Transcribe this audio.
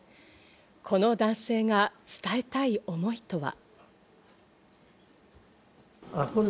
この男性が伝えたい思いとは。